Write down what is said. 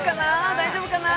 大丈夫かな？